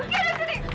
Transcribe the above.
pergi dari sini